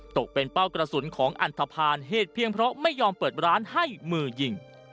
ตกเป็นเป้ากระสุนของอันทภาณเหตุเพียงเพราะไม่ยอมเปิดร้านให้มือยิง